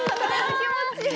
気持ちいい。